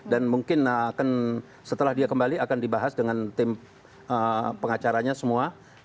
dan mungkin setelah dia kembali akan dibahas dengan tim pengacaranya semua